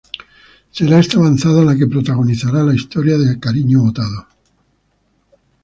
Será esta avanzada la que protagonizará la historia de cariño botado.